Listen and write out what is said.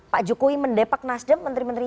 pak jokowi mendepak nasdem